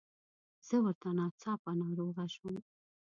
زه ورته ناڅاپه ناروغه شوم.